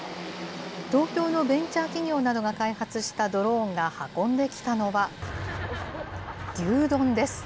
東京のベンチャー企業などが開発したドローンが運んできたのは、牛丼です。